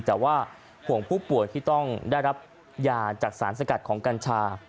แต่ว่าห่วงผู้ป่วยที่ต้องได้รับยาจากสารสกัดของกัญชา